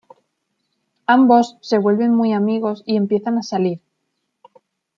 Ambos se vuelven muy amigos y empiezan a salir.